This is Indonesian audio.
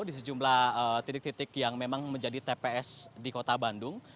di sejumlah titik titik yang memang menjadi tps di kota bandung